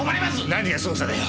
何が捜査だよ。